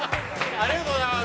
ありがとうございます。